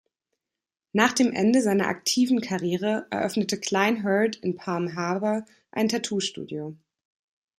Nach dem Ende seiner aktiven Karriere eröffnete Cline-Heard in Palm Harbor ein Tattoo-Studio.